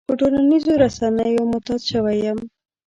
په ټولنيزو رسنيو معتاد شوی يم.